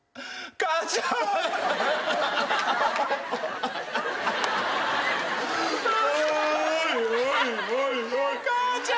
母ちゃん！